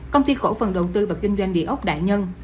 công ty cổ phần đầu tư và kinh doanh địa ốc đại nhân